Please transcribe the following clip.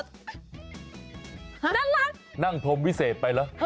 น่ารักไปดูดีกว่าค่ะนั่งพร้อมวิเศษไปแล้ว